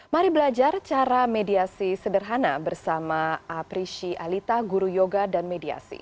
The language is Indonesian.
mari belajar cara mediasi sederhana bersama a prishi alita guru yoga dan mediasi